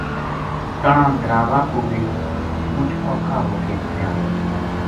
تنہاں دراوا پو بے مُچ اوکھا ہو کے آیا